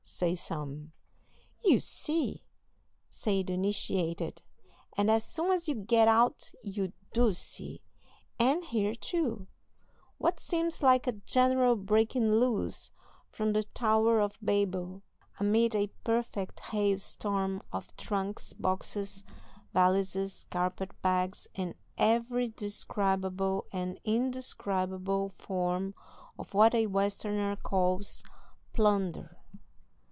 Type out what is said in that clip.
say some. "You'll see," say the initiated; and as soon as you get out you do see, and hear, too, what seems like a general breaking loose from the Tower of Babel, amid a perfect hail storm of trunks, boxes, valises, carpet bags, and every describable and indescribable form of what a Westerner calls "plunder."